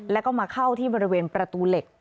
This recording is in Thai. แล้วก็มาเข้าที่บริเวณประตูเหล็ก